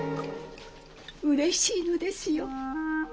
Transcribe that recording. うれしいのですよ。